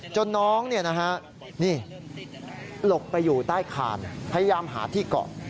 จนน้องหลบไปอยู่ใต้คานพยายามหาที่เกาะ